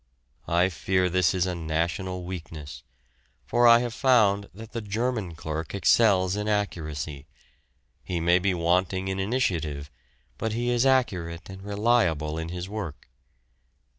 I fear this is a national weakness, for I have found that the German clerk excels in accuracy; he may be wanting in initiative, but he is accurate and reliable in his work.